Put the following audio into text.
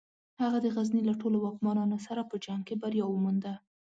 هغه د غزني له ټولو واکمنانو سره په جنګ کې بریا ومونده.